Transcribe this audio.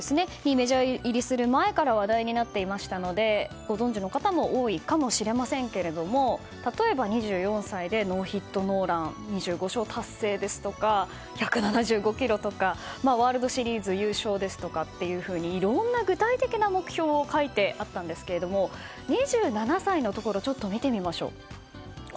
メジャー入りする前から話題になっていましたのでご存じの方も多いかもしれませんが例えば、２４歳でノーヒットノーラン２５勝を達成ですとか１７５キロとかワールドシリーズ優勝といろんな具体的な目標が書いてあったんですけど２７歳のところ見てみましょう。